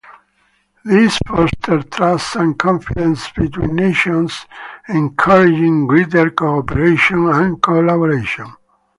This fosters trust and confidence between nations, encouraging greater cooperation and collaboration.